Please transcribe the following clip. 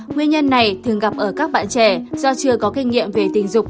nguyên nhân này thường gặp ở các bạn trẻ do chưa có kinh nghiệm về tình dục